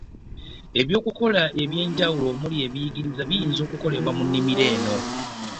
Eby’okukola eby’enjawulo omuli ebiyigiriza biyinza okukolebwa mu nnimiro eno.